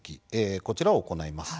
こちらを行います。